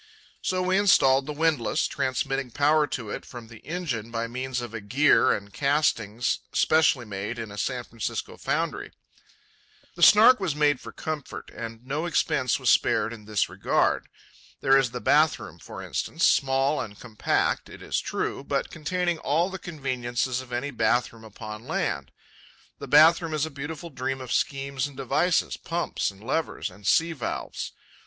So we installed the windlass, transmitting power to it from the engine by means of a gear and castings specially made in a San Francisco foundry. The Snark was made for comfort, and no expense was spared in this regard. There is the bath room, for instance, small and compact, it is true, but containing all the conveniences of any bath room upon land. The bath room is a beautiful dream of schemes and devices, pumps, and levers, and sea valves.